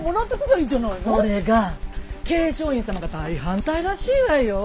それが桂昌院様が大反対らしいわよ。